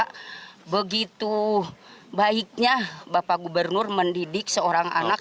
karena begitu baiknya bapak gubernur mendidik seorang anak